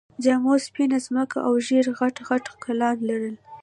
جامو سپينه ځمکه او ژېړ غټ غټ ګلان لرل